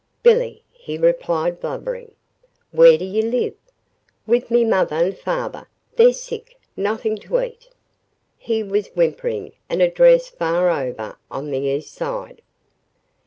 "Billy," he replied, blubbering. "Where do you live?" "With me mother and father they're sick nothing to eat " He was whimpering an address far over on the East Side.